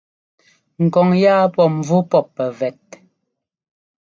Ŋ kɔŋ yáa pɔ́ mvú pɔ́p pɛvɛt.